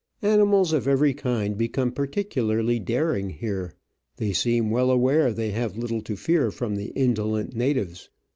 Animals of every kind become particularly daring here ; they seem well aware they have little to fear from the indolent natives.